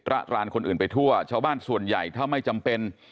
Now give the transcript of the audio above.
ระรานคนอื่นไปทั่วชาวบ้านส่วนใหญ่ถ้าไม่จำเป็น